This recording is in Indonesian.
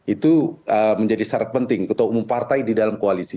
itu menjadi syarat penting ketua umum partai di dalam koalisi